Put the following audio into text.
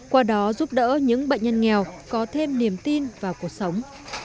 qua đó giúp đỡ những bệnh nhân nghèo có thêm niềm tin vào cuộc sống